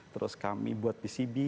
terus kami buat pcb